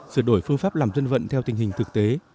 sửa đổi phương pháp làm dân vận theo tình hình thực tế